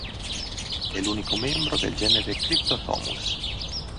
È l'unico membro del genere Cryptotomus.